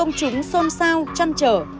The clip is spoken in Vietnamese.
công chúng xôn xao chăn trở